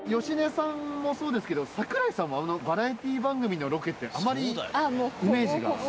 芳根さんもそうですけど、桜井さんも、バラエティー番組のロケってあまりイメージが。